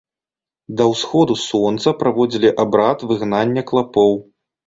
Да ўсходу сонца праводзілі абрад выгнання клапоў.